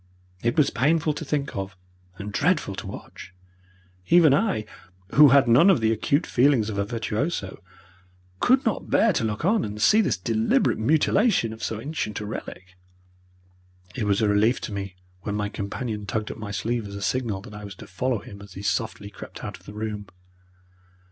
It was painful to think of and dreadful to watch. Even I, who had none of the acute feelings of a virtuoso, could not bear to look on and see this deliberate mutilation of so ancient a relic. It was a relief to me when my companion tugged at my sleeve as a signal that I was to follow him as he softly crept out of the room.